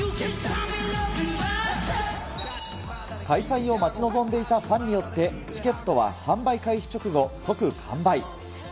開催を待ち望んでいたファンによって、チケットは販売開始直後、即完売。